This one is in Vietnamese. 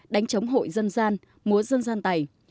đánh chống hội dân gian múa dân gian tài